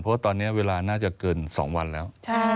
เพราะว่าเวลาน่าจะเกิน๒วันแล้ว